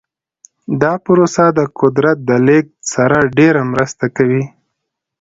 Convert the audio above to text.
دا پروسه د قدرت د لیږد سره ډیره مرسته کوي.